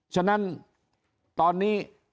ฉะนั้นตอนนี้